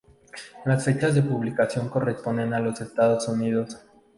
Las fechas de publicación corresponden a los Estados Unidos.